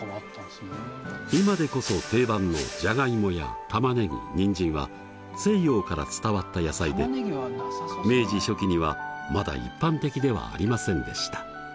今でこそ定番のじゃがいもやたまねぎにんじんは西洋から伝わった野菜で明治初期にはまだ一般的ではありませんでした。